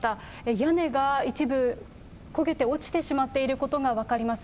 屋根が一部焦げて落ちてしまっていることが分かります。